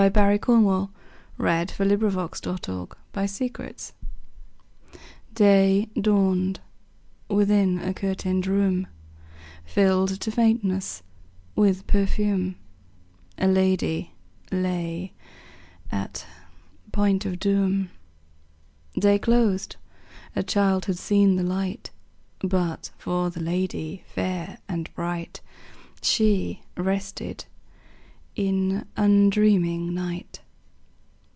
M N . O P . Q R . S T . U V . W X . Y Z History of a Life DAY dawned: within a curtained room, Filled to faintness with perfume, A lady lay at point of doom. Day closed; a child had seen the light; But, for the lady fair and bright, She rested in undreaming night.